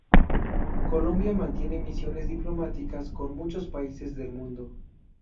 Colombia mantiene misiones diplomáticas con muchos países del mundo.